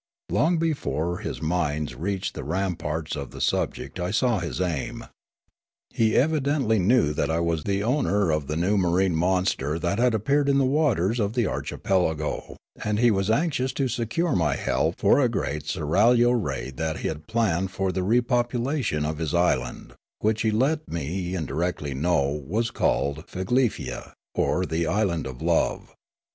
Long before his mines reached the ramparts of the subject I saw his aim. He evidently knew that i64 Riallaro I was the owner of the new marine monster that had appeared in the waters of the archipelago, and he was anxious to secure my help for a great seraglio raid that he had planned for the repopulation of his island — which he let me indirectly know was called Figlefia, or the island of love.